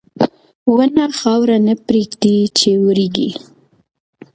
• ونه خاوره نه پرېږدي چې وریږي.